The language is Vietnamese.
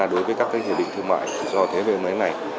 đối với các hiệp định thương mại tự do thế về mới này